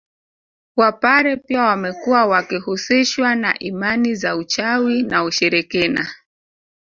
Wapare pia wamekuwa wakihusishwa na imani za uchawi na ushirikina